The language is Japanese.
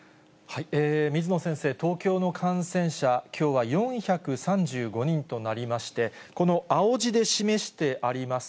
水野先生、東京の感染者、きょうは４３５人となりまして、この青字で示してあります